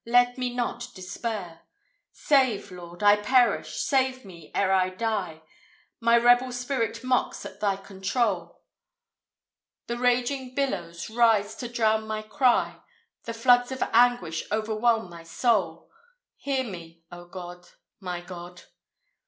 let me not despair. Save, Lord! I perish! Save me, ere I die! My rebel spirit mocks at thy control The raging billows rise to drown my cry; The floods of anguish overwhelm my soul Hear me, O God! my God!